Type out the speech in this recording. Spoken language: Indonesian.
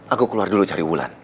aku keluar dulu cari wulan